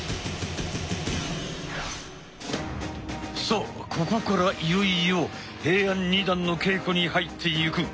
さあここからいよいよ平安二段の稽古に入っていく！